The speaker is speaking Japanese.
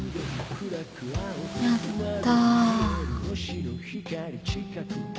やった。